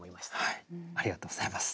ありがとうございます。